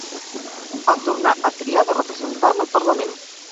El tornà a triar de representant al Parlament.